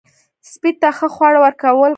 سپي ته ښه خواړه ورکول پکار دي.